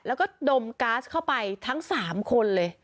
แล้วก็ดมก๊าซเข้าไปทั้ง๓คนเลย